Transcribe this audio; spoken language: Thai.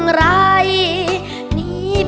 เพราะเธอชอบเมือง